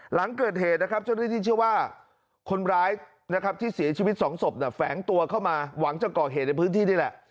หลังเกิดเหตุนะครับเจ้าหน้าที่เชื่อว่าคนร้ายนะครับที่เสียชีวิตสองศพแฝงตัวเข้ามาหวังจะก่อเหตุในพื้นที่นี่แหละ